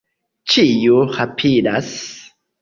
Ĉiu rapidas.